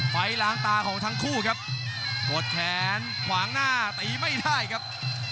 ล้างตาของทั้งคู่ครับกดแขนขวางหน้าตีไม่ได้ครับ